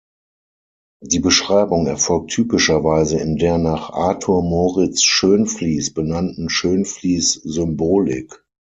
Die Beschreibung erfolgt typischerweise in der nach Arthur Moritz Schoenflies benannten Schoenflies-Symbolik.